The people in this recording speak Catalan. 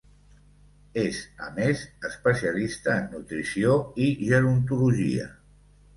És, a més, especialista en nutrició i gerontologia.